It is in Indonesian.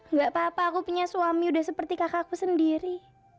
nggak apa apa aku punya suami udah seperti kakakku sendiri